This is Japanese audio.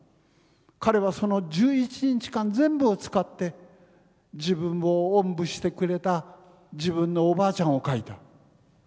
彼はその１１日間全部を使って自分をおんぶしてくれた自分のお婆ちゃんを描いた。